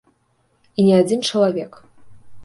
І не адзін чалавек.